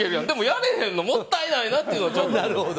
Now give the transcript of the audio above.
でも、やれへんのはもったいないなって。